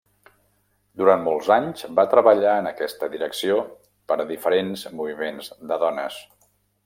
Durant molts anys va treballar en aquesta direcció per a diferents moviments de dones.